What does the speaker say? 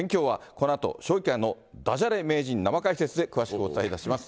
このあと将棋界のだじゃれ名人生解説で詳しくお伝えいたします。